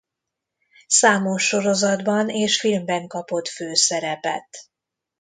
Számos sorozatban és filmben kapott főszerepet.